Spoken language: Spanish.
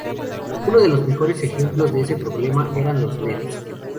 Uno de los mejores ejemplos de ese problema eran los Nets.